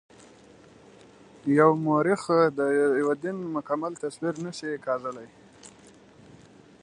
یو مورخ د یوه دین مکمل تصویر نه شي کاږلای.